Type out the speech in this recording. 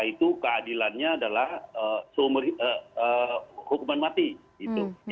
itu keadilannya adalah hukuman mati